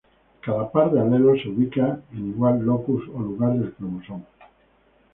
Cada par de alelos se ubica en igual locus o lugar del cromosoma.